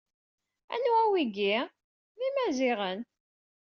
Anwa wigi? D Imaziɣen.